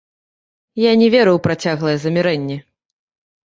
Я не веру ў працяглае замірэнне.